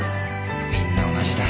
みんな同じだ